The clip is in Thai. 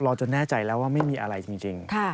จนแน่ใจแล้วว่าไม่มีอะไรจริง